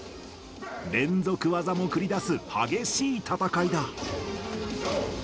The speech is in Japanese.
連続技も繰り出す激しい戦いだ。